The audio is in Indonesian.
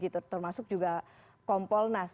termasuk juga kompolnas